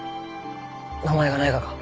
名前がないがか？